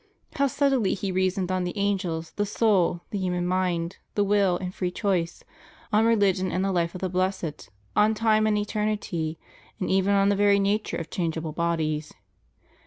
How subtly he reasoned on the angels, the soul, the human mind, the will and free choice, on rehgion and the Hfe of the blessed, on time and eternity, and even on the very nature of changeable bodies.